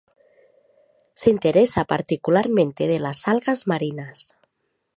Se interesa particularmente de las algas marinas.